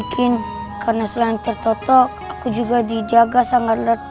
dan aku tidak akan berbuat jahat padamu